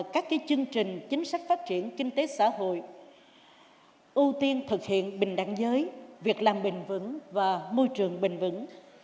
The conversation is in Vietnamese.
các chương trình chính sách phát triển kinh tế xã hội ưu tiên thực hiện bình đẳng giới việc làm bình vững và môi trường bình vững